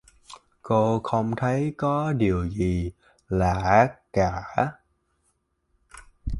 cô không thấy có điều gì lạ cả